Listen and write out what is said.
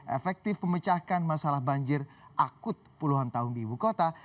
efektif memecahkan masalah banjir akut puluhan tahun di ibu kota